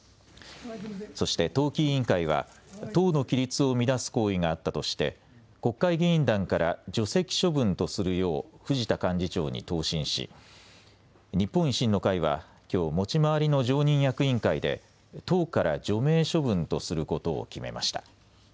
そして党紀委員会は党の規律を乱す行為があったとして国会議員団から除籍処分とするよう藤田幹事長に答申し日本維新の会はきょう持ち回りの常任役員会で党から除名処分とすることを決めました。